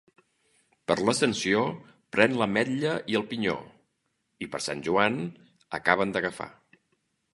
Per l'Ascensió pren l'ametlla i el pinyó, i per Sant Joan acaba'n d'agafar.